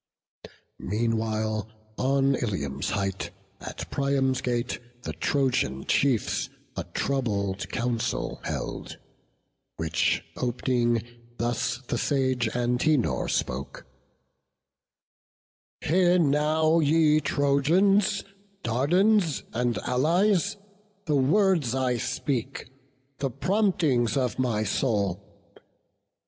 Meanwhile, on Ilium's height, at Priam's gate The Trojan chiefs a troubled council held; Which op'ning, thus the sage Antenor spoke: "Hear now, ye Trojans, Dardans, and Allies, The words I speak, the promptings of my soul.